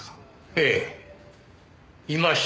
ええいましたよ。